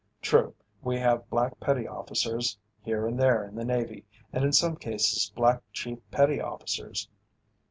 True, we have black petty officers here and there in the Navy, and in some cases black chief petty officers.